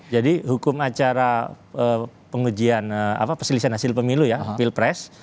jadi hukum acara pengujian apa pesilisan hasil pemilu ya pilpres